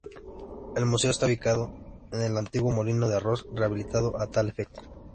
El museo está ubicado en un antiguo molino de arroz, rehabilitado a tal efecto.